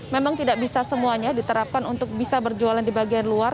memang tidak bisa semuanya diterapkan untuk bisa berjualan di bagian luar